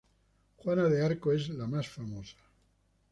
Juana de Arco es la mas famosa.